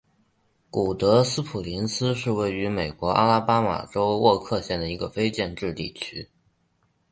古德斯普林斯是位于美国阿拉巴马州沃克县的一个非建制地区。